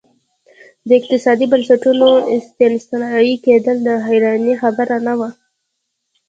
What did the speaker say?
د اقتصادي بنسټونو استثنایي کېدل د حیرانۍ خبره نه وه.